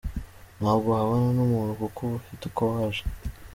Ntabwo wabana n’umuntu kuko uba ufite uko waje.